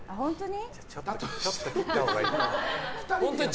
本当に？